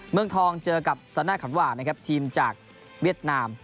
เมืองทองเจอกับสนานขัดหวาทีมจากเวียดนาม